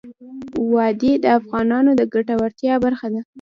وادي د افغانانو د ګټورتیا برخه ده.